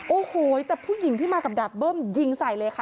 โอ้โหแต่ผู้หญิงที่มากับดาบเบิ้มยิงใส่เลยค่ะ